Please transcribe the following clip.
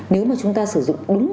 nếu mà chúng ta sử dụng đúng